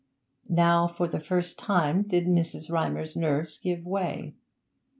Now for the first time did Mrs. Rymer's nerves give way.